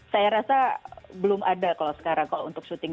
saya rasa belum ada kalau sekarang kalau untuk syuting